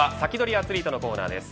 アツリートのコーナーです。